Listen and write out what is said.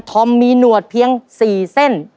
อมมีหนวดเพียง๔เส้น